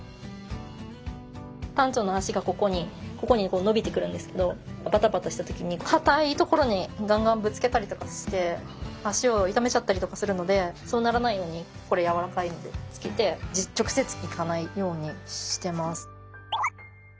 タンチョウの脚がここにこう伸びてくるんですけどバタバタした時に硬いところにガンガンぶつけたりとかして脚を痛めちゃったりとかするのでそうならないようにこれやわらかいのでつけて直接いかないようにしてます。